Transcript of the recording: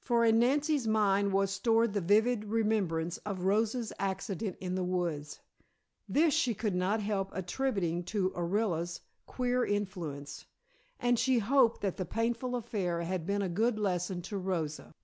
For in Nancy's mind was stored the vivid remembrance of Rosa's accident in the woods. This she could not help attributing to Orilla's queer influence, and she hoped that the painful affair had been a good lesson to Rosa.